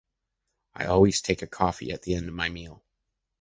I always take a coffee at the end of my meal.